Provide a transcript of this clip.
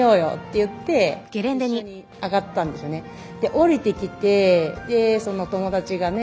降りてきてその友達がね